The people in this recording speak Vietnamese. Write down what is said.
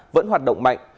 vẫn hoạt động mạnh